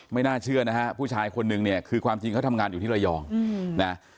ไม่น่าเชื่อนะฮะผู้ชายคนนึงเนี่ยคือความจริงเขาทำงานอยู่ที่ระยองนะ